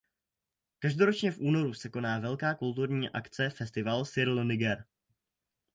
Každoročně v únoru se koná velká kulturní akce "Festival sur le Niger".